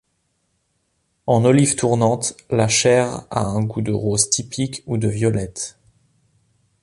En olive tournante, la chair a un goût de rose typique ou de violette.